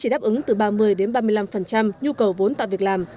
đáp ứng từ ba mươi ba mươi năm nhu cầu vốn tạo việc làm